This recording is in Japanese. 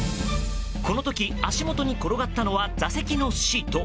この時、足元に転がったのは座席のシート。